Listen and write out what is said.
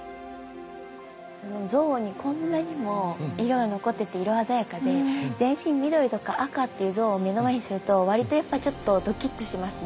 像にこんなにも色が残ってて色鮮やかで全身緑とか赤っていう像を目の前にすると割とやっぱちょっとどきっとしますね。